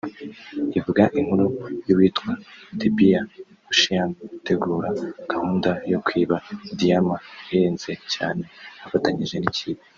Ivuga inkuru y’uwitwa Debbie Ocean utegura gahunda yo kwiba diyama ihenze cyane afatanyije n’ikipe